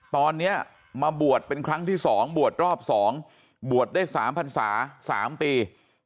ตอนนี้มาบวชเป็นครั้งที่๒บวชรอบ๒บวชได้๓พันศา๓ปี